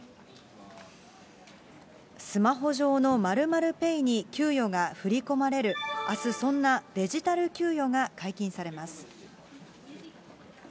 スマホ上の○○ペイに給与が振り込まれる、あす、そんなデジタル給与が解禁されます。